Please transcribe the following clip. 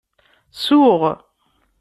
Suɣ.